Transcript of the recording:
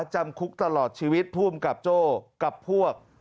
จำคุกตลอดชีวิตภูมิกับโจ้กับพวก